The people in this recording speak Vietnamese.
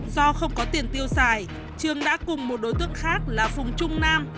do không có tiền tiêu xài trương đã cùng một đối tượng khác là phùng trung nam